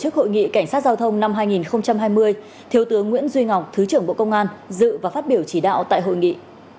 cảnh sát giao thông năm hai nghìn hai mươi thiếu tướng nguyễn duy ngọc thứ trưởng bộ công an dự và phát biểu chỉ đạo tại hội nghị